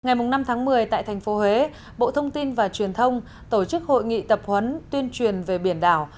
ngày năm một mươi tại tp huế bộ thông tin và truyền thông tổ chức hội nghị tập huấn tuyên truyền về biển đảo